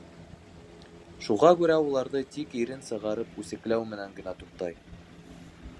Шуға күрә уларҙы тик ирен сығарып үсекләү менән генә туҡтай.